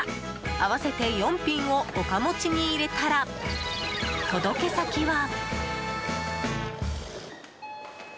合わせて４品をおかもちに入れたら届け先は。